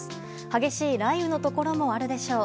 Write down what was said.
激しい雷雨のところもあるでしょう。